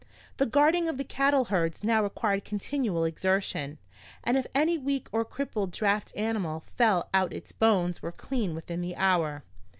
The guarding of the cattle herds now required continual exertion, and if any weak or crippled draft animal fell out its bones were clean within the hour.